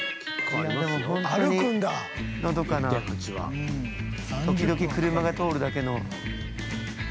これはでも本当にのどかな時々、車が通るだけの。